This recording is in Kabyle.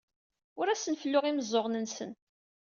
Ur asen-felluɣ imeẓẓuɣen-nsen.